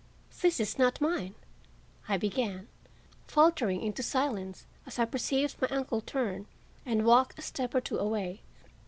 "This is not mine," I began, faltering into silence as I perceived my uncle turn and walk a step or two away.